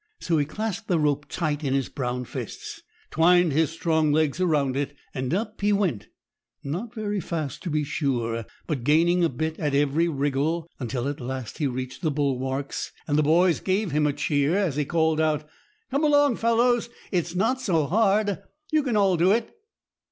So he clasped the rope tight in his brown fists, twined his strong legs around it, and up he went, not very fast, to be sure, but gaining a bit at every wriggle, until at last he reached the bulwarks, and the boys gave him a cheer as he called out, "Come along, fellows; it's not so hard; you can all do it."